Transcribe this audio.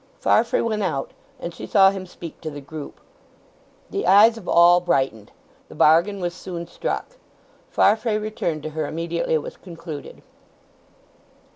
Farfrae went out, and she saw him speak to the group. The eyes of all brightened; the bargain was soon struck. Farfrae returned to her immediately it was concluded.